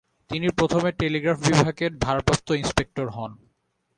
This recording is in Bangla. তিনি প্রথমে টেলিগ্রাফ বিভাগের ভারপ্রাপ্ত ইন্সপেক্টর হন।